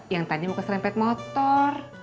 yang tadi mau keserempet motor